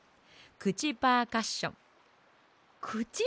くちパーカッション！